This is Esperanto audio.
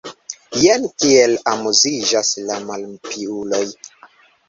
Jen kiel amuziĝas la malpiuloj!